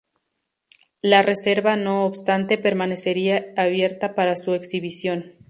La reserva, no obstante, permanecería abierta para su exhibición.